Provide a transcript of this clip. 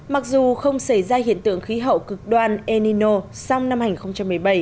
mặc dù không xảy ra hiện tượng khí hậu cực đoan enino song năm hai nghìn một mươi bảy